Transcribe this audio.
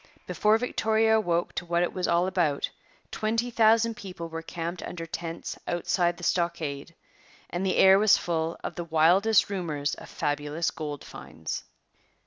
Before Victoria awoke to what it was all about, twenty thousand people were camped under tents outside the stockade, and the air was full of the wildest rumours of fabulous gold finds.